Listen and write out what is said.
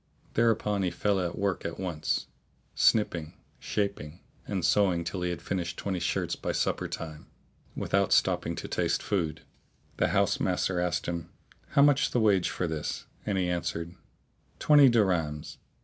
Thereupon he fell to work at once, snipping, shaping and sewing till he had finished twenty shirts by supper time, without stopping to taste food. The house master asked him, "How much the wage for this?"; and he answered, "Twenty dirhams."